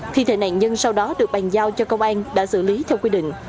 thi thể nạn nhân sau đó được bàn giao cho công an đã xử lý theo quy định